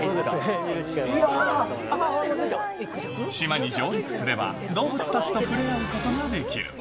島に上陸すれば、動物たちと触れ合うことができる。